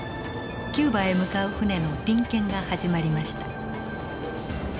キューバへ向かう船の臨検が始まりました。